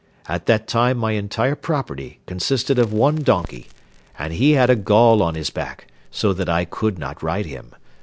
At that time my entire property consisted of one donkey, and he had a gall on his back, so that I could not ride him.